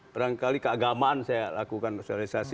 barangkali keagamaan saya lakukan sosialisasi